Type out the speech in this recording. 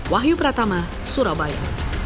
wahyu pratama surabaya